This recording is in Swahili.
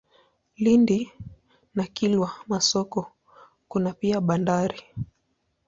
Lindi na Kilwa Masoko kuna pia bandari.